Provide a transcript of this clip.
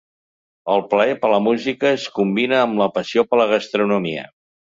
El plaer per la música es combina amb la passió per la gastronomia.